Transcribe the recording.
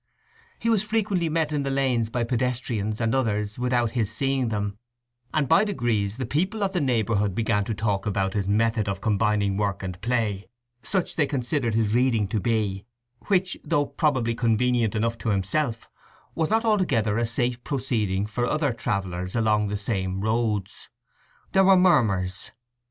He was frequently met in the lanes by pedestrians and others without his seeing them, and by degrees the people of the neighbourhood began to talk about his method of combining work and play (such they considered his reading to be), which, though probably convenient enough to himself, was not altogether a safe proceeding for other travellers along the same roads. There were murmurs.